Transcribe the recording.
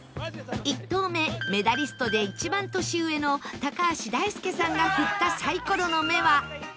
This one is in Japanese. １投目メダリストで一番年上の橋大輔さんが振ったサイコロの目は「１」